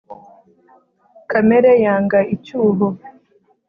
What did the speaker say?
kamere yanga icyuho